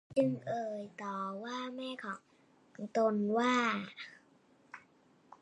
จึงเอ่ยต่อว่าแม่ของตนว่า